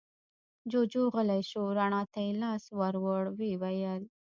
جوجُو غلی شو، رڼا ته يې لاس ور ووړ، ويې ويل: